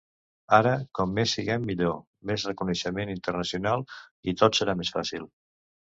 Ara, com més siguem millor, més reconeixement internacional i tot serà més fàcil.